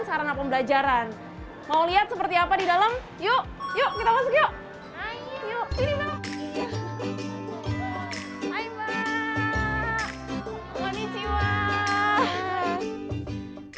warna pembelajaran mau lihat seperti apa di dalam yuk yuk kita masuk yuk yuk